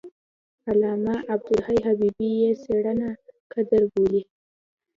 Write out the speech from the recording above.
علامه عبدالحي حبیبي یې څېړنه قدر بولي.